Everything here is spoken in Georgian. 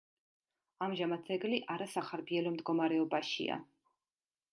ამჟამად ძეგლი არასახარბიელო მდგომარეობაშია.